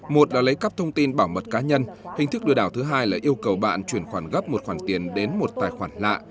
một là lấy cắp thông tin bảo mật cá nhân hình thức lừa đảo thứ hai là yêu cầu bạn chuyển khoản gấp một khoản tiền đến một tài khoản lạ